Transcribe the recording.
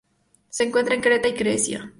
Se encuentra en Creta y Grecia.